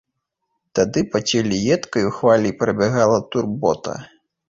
Тады па целе едкаю хваляй прабягала турбота.